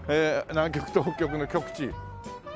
南極と北極の極地。